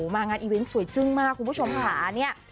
งานอีเวนต์สวยจึ้งมากคุณผู้ชมค่ะเนี่ย